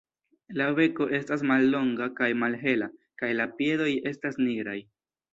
La beko estas mallonga kaj malhela kaj la piedoj estas nigraj.